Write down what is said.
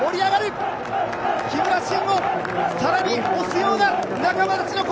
木村慎を更に押すような仲間たちの声。